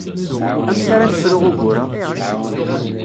Amek ara nefru ugur-a?